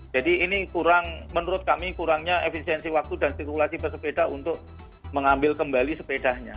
jadi ini kurang menurut kami kurangnya efisiensi waktu dan sirkulasi pesepeda untuk mengambil kembali sepedanya